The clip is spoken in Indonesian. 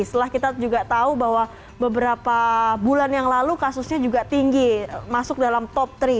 setelah kita juga tahu bahwa beberapa bulan yang lalu kasusnya juga tinggi masuk dalam top tiga